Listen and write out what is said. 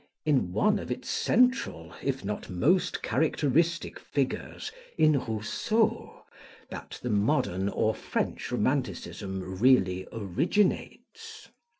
in one of its central, if not most characteristic figures, in Rousseau that the modern or French romanticism really originates.